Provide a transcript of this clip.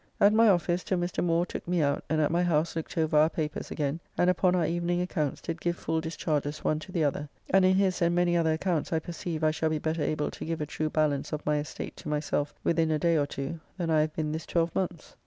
At my office till Mr. Moore took me out and at my house looked over our papers again, and upon our evening accounts did give full discharges one to the other, and in his and many other accounts I perceive I shall be better able to give a true balance of my estate to myself within a day or two than I have been this twelve months.